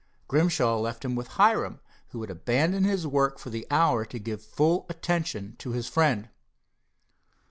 Grimshaw left him with Hiram, who had abandoned work for the hour to give full attention to his friend.